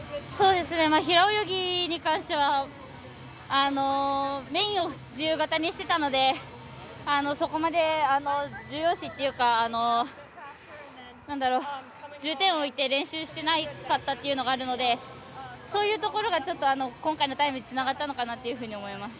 平泳ぎに関してはメインを自由形にしてたのでそこまで重要視というか重点を置いて練習していなかったというのがあるのでそういうところがちょっと今回のタイムにつながったのかなと思います。